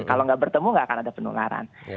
kalau nggak bertemu nggak akan ada penularan